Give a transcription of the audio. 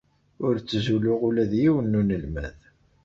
Ur ttzuluɣ ula d yiwen n unelmad.